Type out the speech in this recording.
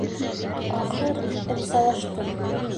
Ахыр, ризалаштым.